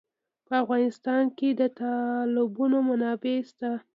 په افغانستان کې د تالابونه منابع شته.